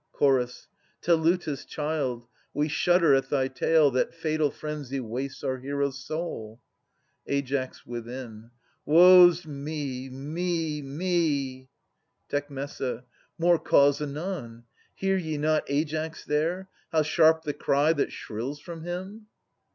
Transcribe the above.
Ch. Teleutas' child ! we shudder at thy tale That fatal frenzy wastes our hero's soul. Aias {within). Woe's me, me, me! Tec. More cause anon ! Hear ye not Aias there, How sharp the cry that shrills from him?